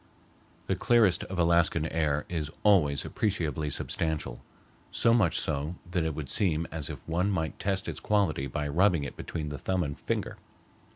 The clearest of Alaskan air is always appreciably substantial, so much so that it would seem as if one might test its quality by rubbing it between the thumb and finger.